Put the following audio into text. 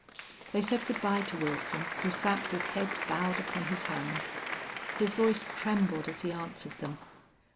They said good by to Wilson, who sat with head bowed upon his hands. His voice trembled as he answered them.